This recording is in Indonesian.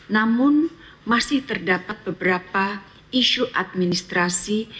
namun masih terdapat beberapa isu administrasi